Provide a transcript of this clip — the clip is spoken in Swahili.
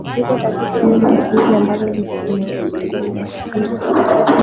Zipo tafiti nyingi siku hizi ambazo zinajaribu